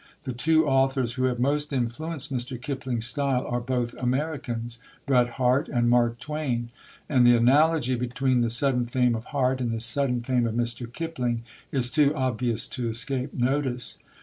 The two authors who have most influenced Mr. Kipling's style are both Americans Bret Harte and Mark Twain; and the analogy between the sudden fame of Harte and the sudden fame of Mr. Kipling is too obvious to escape notice.